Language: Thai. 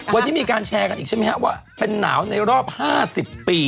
วันนี้มีการแชร์กันอีกใช่ไหมครับว่าเป็นหนาวในรอบ๕๐ปี